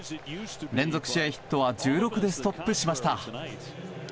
連続試合ヒットは１６でストップしました。